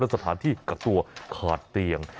สถานที่กักตัวขาดเตียง